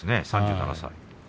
３７歳。